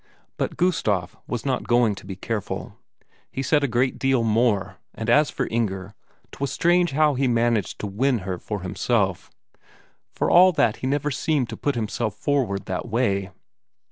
But Gustaf was not going to be careful; he said a great deal more, and as for Inger, 'twas strange how he managed to win her for himself, for all that he never seemed to put himself forward that way.